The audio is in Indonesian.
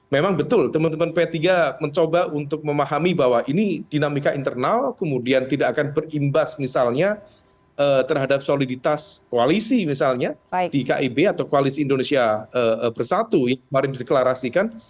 memang betul teman teman p tiga mencoba untuk memahami bahwa ini dinamika internal kemudian tidak akan berimbas misalnya terhadap soliditas koalisi misalnya di kib atau koalisi indonesia bersatu yang kemarin dideklarasikan